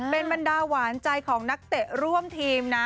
เป็นบรรดาหวานใจของนักเตะร่วมทีมนะ